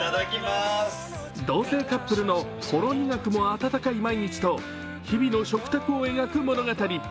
同性カップルのほろ苦くもあたたかい毎日と日々の食卓を描く物語。